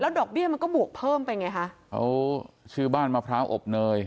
ดอกเบี้ยมันก็บวกเพิ่มไปไงคะเขาชื่อบ้านมะพร้าวอบเนย